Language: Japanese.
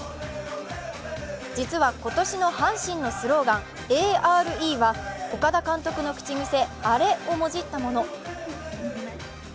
実は今年の阪神のスローガン、ＡＲＥは、岡田監督の口癖、アレをもじったもの。